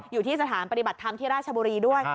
อยู่ที่สถานปฏิบัติธรรมที่ราชบุรีด้วย